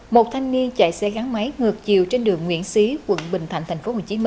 một thanh niên chạy xe gắn máy ngược chiều trên đường nguyễn xí quận bình thạnh tp hcm